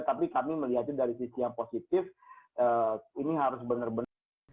tapi kami melihatnya dari sisi yang positif ini harus benar benar